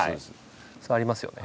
それはありますよね。